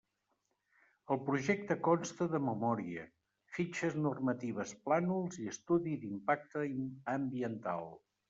El projecte consta de memòria, fitxes normatives, plànols i estudi d'impacte ambiental.